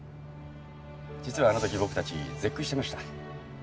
実はあの時僕たち絶句してました。